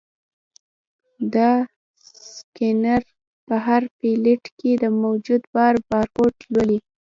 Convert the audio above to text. دا سکینر په هر پلیټ کې د موجود بار بارکوډ لولي.